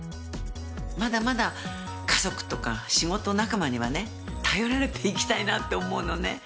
まだまだ家族とか仕事仲間にはね頼られていきたいなって思うのね。